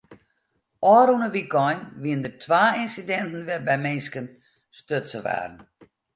Ofrûne wykein wiene der twa ynsidinten wêrby't minsken stutsen waarden.